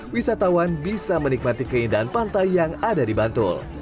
wisatawan bisa menikmati keindahan pantai yang ada di bantul